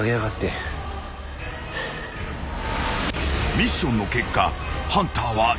［ミッションの結果］